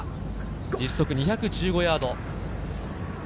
実測２１５ヤード。